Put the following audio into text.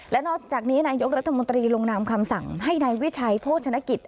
และนอกจากนี้นายกรัฐมนตรีลงนามคำสั่งให้นายวิชัยโภชนกิจ